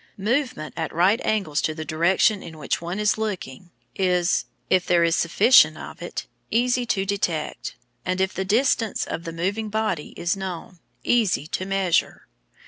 Movement at right angles to the direction in which one is looking is, if there is sufficient of it, easy to detect, and, if the distance of the moving body is known, easy to measure.